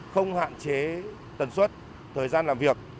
không hạn chế tần suất thời gian làm việc